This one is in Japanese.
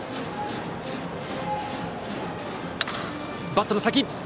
バットの先。